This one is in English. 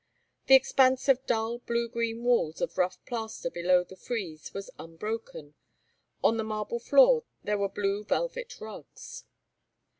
The expanse of dull green blue walls of rough plaster below the frieze was unbroken; on the marble floor there were blue velvet rugs.